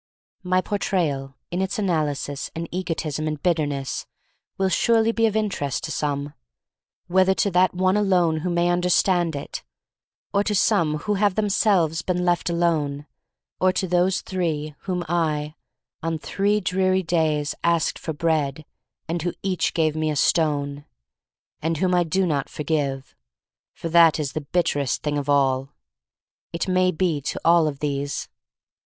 — My Portrayal in its analysis and egotism and bitterness will surely be of interest to some. Whether to that one alone who may understand it; or to some who have themselves been left alone; or to those three whom I, on three dreary days, asked for bread, and who each gave me a stone — and whom I do not forgive (for that is the bitterest thing of all): it may be to all of these.